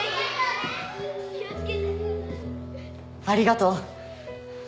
ありがとう。